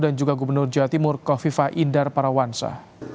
dan juga gubernur jawa timur kofifa indar parawansa